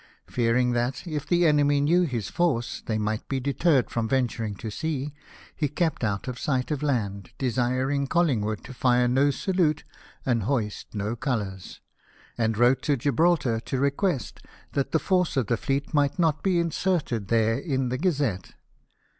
Fearing that, if the enemy knew his force, they might be deterred from venturing to sea, he kept out of sight of land, desired Collingwood to fire no salute and hoist no colours; and wrote to 300 LIFE OF NELSON. Gibraltar to request that the force of the fleet might not be inserted there in the Gazette.